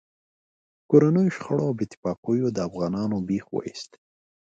کورنیو شخړو او بې اتفاقیو د افغانانو بېخ و ایست.